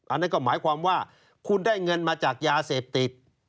อันนั้นก็หมายความว่าคุณได้เงินมาจากยาเสพติด